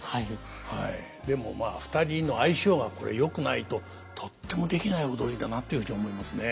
でもまあ２人の相性がこれよくないととってもできない踊りだなっていうふうに思いますね。